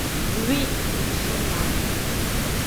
Oui, monsieur le marquis.